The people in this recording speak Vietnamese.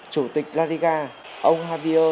chủ tịch la liga ông javier